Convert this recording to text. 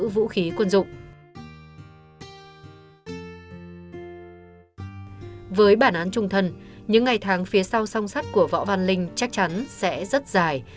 với bản án trung thân những ngày tháng phía sau song sắt của võ văn linh chắc chắn sẽ rất dài